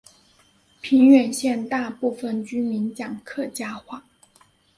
平远县大部分居民讲客家话。